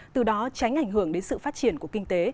từ đó tránh ảnh hưởng đến sự phát triển của kinh tế